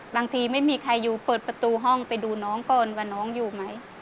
ไม่มีใครอยู่เปิดประตูห้องไปดูน้องก่อนว่าน้องอยู่ไหม